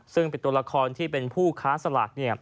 ซึ่งเป็นตัวละครที่เป็นผู้ค้าสลาก